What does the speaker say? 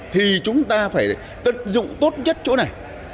thì chúng ta phải tận dụng tốt nhất chỗ này